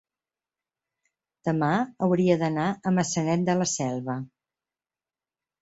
demà hauria d'anar a Maçanet de la Selva.